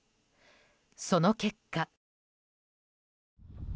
その結果。